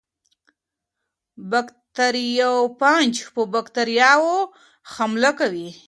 باکتریوفاج په باکتریاوو حمله کوي.